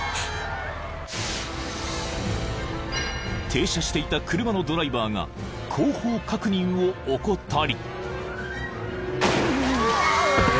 ［停車していた車のドライバーが後方確認を怠り］